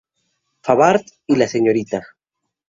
Favart y la Srta.